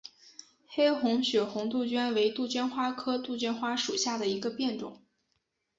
黑红血红杜鹃为杜鹃花科杜鹃花属下的一个变种。